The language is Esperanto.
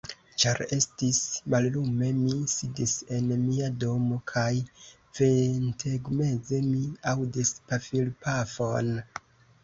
Ĉar estis mallume, mi sidis en mia domo, kaj ventegmeze mi aŭdis pafilpafon.